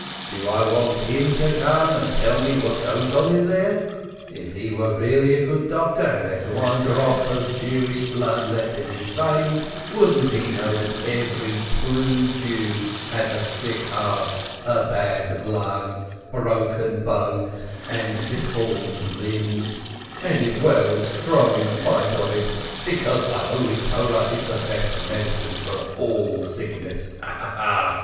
Do I want him to come and tell me what goes on there ? If he were a really good doctor, and had one drop of Jewish blood left in his veins, wouldn't he know that every true Jew has a sick heart, a bad lung, broken bones, and deformed limbs, and is well and strong in spite of it, because the holy Torah is the best medicine for all sicknesses? Ha, ha, ha!